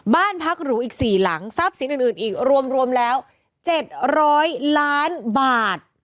บ้านพักหรูอีก๔หลังทรัพย์สินอื่นอีกรวมแล้ว๗๐๐ล้านบาท